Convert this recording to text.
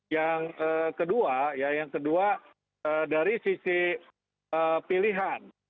yang kedua ya yang kedua dari sisi pilihan